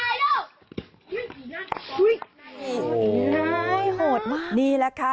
โอ้โหนายหดมาก